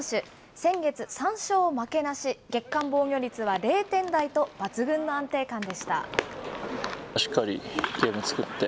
先月、３勝負けなし、月間防御率は０点台と抜群の安定感でした。